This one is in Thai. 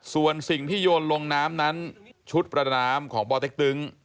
ส่วนสิ่งที่โยนลงน้ำนั้นชุดประดาน้ำของปเต็กตึง